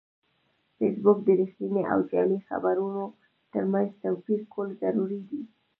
فېسبوک د رښتینې او جعلي خبرونو ترمنځ توپیر کول ضروري دي